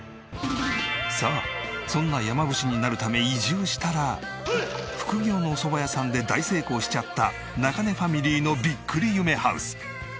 さあそんな山伏になるため移住したら副業のおそば屋さんで大成功しちゃった中根ファミリーのびっくり夢ハウス。